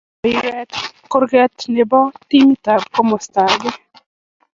Mito mpiret kurke ne bo timit ab komosta age.